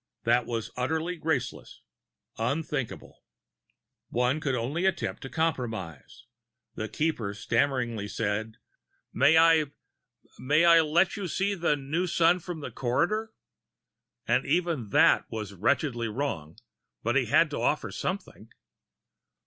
That was utterly graceless, unthinkable. One could only attempt to compromise. The Keeper stammeringly said: "May I may I let you see the new sun from the corridor?" And even that was wretchedly wrong, but he had to offer something.